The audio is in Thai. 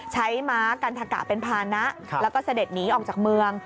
ม้ากันทะกะเป็นภานะแล้วก็เสด็จหนีออกจากเมือง